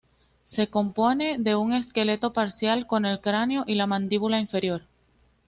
Se compone de un esqueleto parcial con el cráneo y la mandíbula inferior.